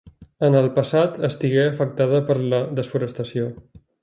En el passat, estigué afectada per la desforestació.